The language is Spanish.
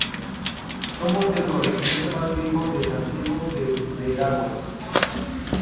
Somos el corregimiento más viejo, de Santiago de Veraguas.